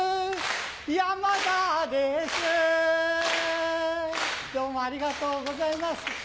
山田ですどうもありがとうございます。